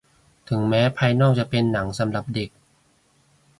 ถึงแม้ภายนอกจะเป็นหนังสำหรับเด็ก